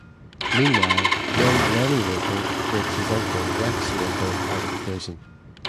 Meanwhile, young Lenny Luthor breaks his uncle Lex Luthor out of prison.